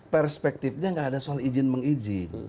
perspektifnya nggak ada soal izin mengizin